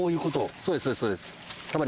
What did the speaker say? そうですそうです束に。